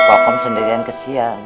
koko sendiri yang kesian